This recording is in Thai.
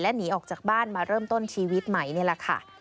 หนีออกจากบ้านมาเริ่มต้นชีวิตใหม่นี่แหละค่ะ